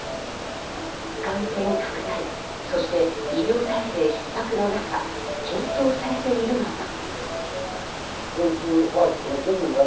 感染拡大、そして医療体制ひっ迫の中、検討されているのが。